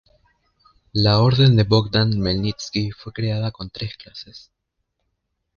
La Orden de Bogdan Jmelnytsky fue creada con tres clases.